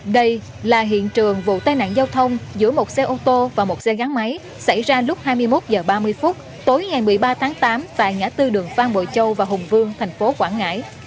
đây là hiện trường vụ tai nạn giao thông giữa một xe ô tô và một xe gắn máy xảy ra lúc hai mươi một h ba mươi phút tối ngày một mươi ba tháng tám tại ngã tư đường phan bội châu và hùng vương thành phố quảng ngãi